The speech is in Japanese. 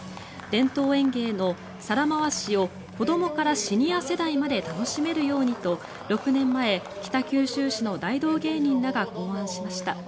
伝統演芸の皿回しを子どもからシニア世代まで楽しめるようにと６年前、北九州市の大道芸人らが考案しました。